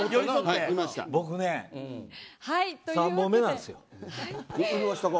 僕、３本目なんですよ。